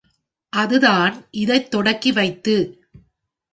அதுதான் இதைத் தொடக்கி வைத்து.